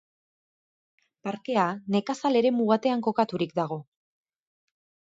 Parkea nekazal eremu batean kokaturik dago.